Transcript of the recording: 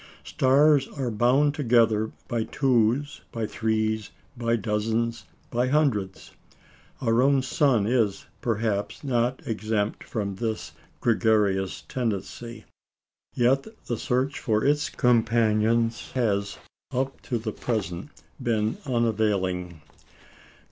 Stars are bound together by twos, by threes, by dozens, by hundreds. Our own sun is, perhaps, not exempt from this gregarious tendency. Yet the search for its companions has, up to the present, been unavailing.